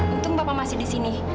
untung bapak masih di sini